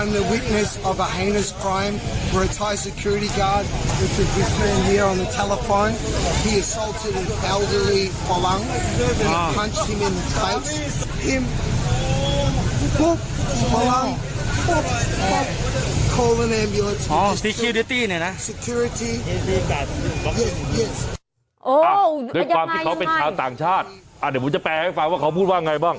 ด้วยความที่เขาเป็นชาวต่างชาติเดี๋ยวผมจะแปลให้ฟังว่าเขาพูดว่าไงบ้าง